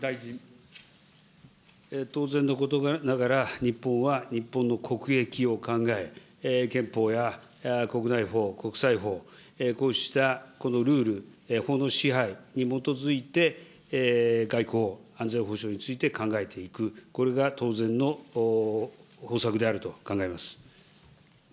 当然のことながら、日本は日本の国益を考え、憲法や国内法、国際法、こうしたルール、法の支配に基づいて外交・安全保障について考えていく、これが当然の方策であると考えます。